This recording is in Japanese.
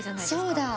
そうだ。